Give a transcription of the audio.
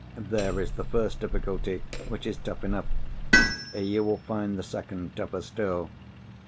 There is the first difficulty—which is tough enough. You will find the second tougher still.